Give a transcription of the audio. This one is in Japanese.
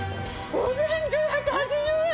５９８０円！